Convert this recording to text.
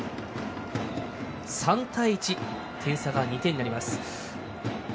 ３対１点点差が２点になります。